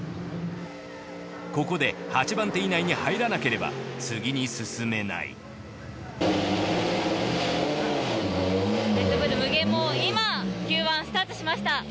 ここで８番手以内に入らなければ次に進めないレッドブル無限も今Ｑ１スタートしました。